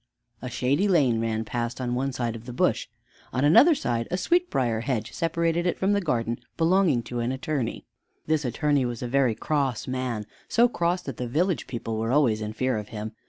A shady lane ran past one side of the bush. On another side a sweetbrier hedge separated it from the garden belonging to an attorney. This attorney was a very cross man, so cross that the village people were always in fear of him.